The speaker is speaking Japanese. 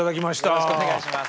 よろしくお願いします。